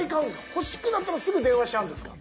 欲しくなったらすぐ電話しちゃうんですか？